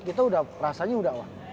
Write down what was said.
kita udah rasanya udah wah